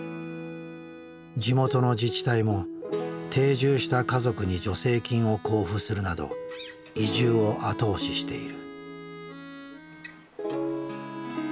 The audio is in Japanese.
地元の自治体も定住した家族に助成金を交付するなど移住を後押ししている。